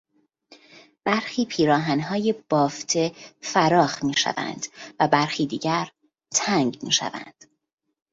برخی پیراهنهای بافته فراخ میشوند و برخی دیگر تنگ میشوند.